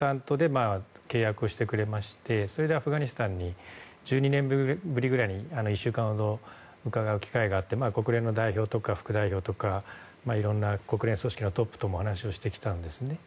国連開発機関というＵＮＤＰのコンサルタントで契約してくれましてそれでアフガニスタンに１２年ぶりぐらいに１週間ほど伺う機会があって国連の代表とか副代表とかいろんな国連組織のトップとも話をしてきたんですね。